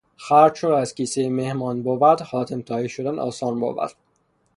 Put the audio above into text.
خرج چو از کیسهٔ مهمان بود حاتم طائی شدن آسان بود.